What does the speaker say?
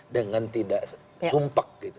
dengan tidak sumpah